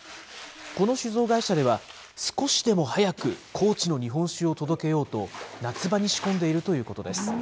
この酒造会社では、少しでも早く高知の日本酒を届けようと、夏場に仕込んでいるということです。